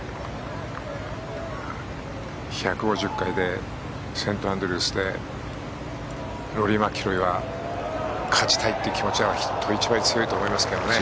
１５０回でセントアンドリュースでローリー・マキロイは勝ちたいって気持ちは人一倍強いと思いますけどね。